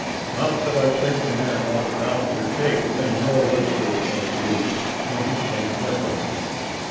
Not that I think a man ought not to take a nor wester or two, when he can get them.